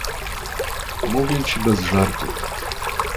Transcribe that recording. "Mówię ci bez żartów."